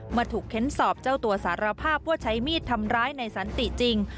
เมื่อถูกเค้นสอบเจ้าตัวสารภาพว่าใช้มีดทำร้ายในสันติจริง